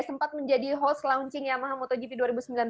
sempat menjadi host launching yamaha motogp dua ribu sembilan belas